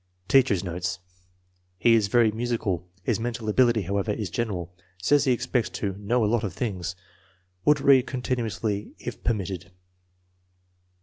Teacher's notes. " He is very musical. His mental ability, however, is general. Says he expects to * know lots of things/ Would read continually, if permitted."